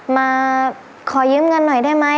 มาขอยืมเงินหน่อยได้ไหม